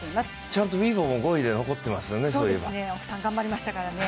ちゃんとウイボも５位で残っていますね。